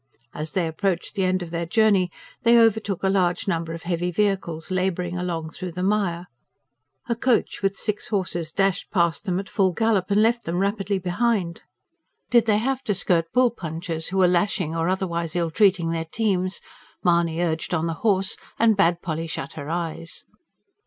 As they approached the end of their journey, they overtook a large number of heavy vehicles labouring along through the mire. A coach with six horses dashed past them at full gallop, and left them rapidly behind. Did they have to skirt bull punchers who were lashing or otherwise ill treating their teams, Mahony urged on the horse and bade Polly shut her eyes.